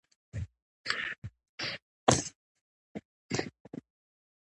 دا ټول اعمال ثابت شوي دي.